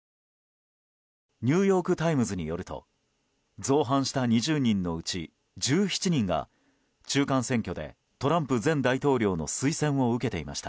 ニューヨーク・タイムズによると造反した２０人のうち１７人が中間選挙でトランプ前大統領の推薦を受けていました。